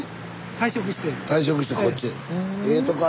退職してこっちへ。